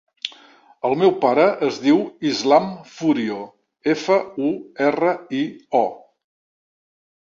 El meu pare es diu Islam Furio: efa, u, erra, i, o.